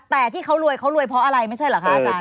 แต่ที่เขารวยเขารวยเพราะอะไรไม่ใช่เหรอคะอาจารย